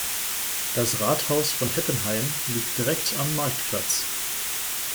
Das Rathaus von Heppenheim liegt direkt am Marktplatz.